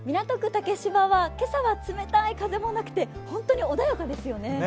竹芝は今朝は冷たい風もなくて本当に穏やかですよね。